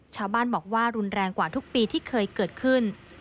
ชาวบ้านบอกว่ารุนแรงกว่าทุกปีที่เคยเกิดขึ้น